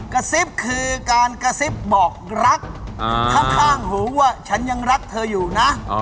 กระซิบคือการกระซิบบอกรักข้างหูว่าฉันยังรักเธออยู่นะ